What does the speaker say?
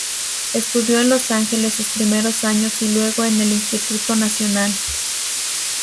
Estudió en Los Ángeles sus primeros años y luego en el Instituto Nacional.